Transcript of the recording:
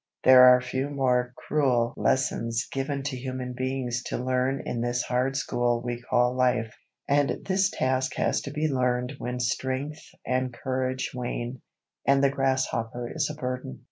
There are few more cruel lessons given to human beings to learn in this hard school we call life. And this task has to be learned when strength and courage wane, and the grasshopper is a burden.